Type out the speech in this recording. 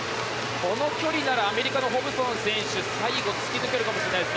この距離ならばアメリカのホブソン選手が最後突き抜けるかもしれないです。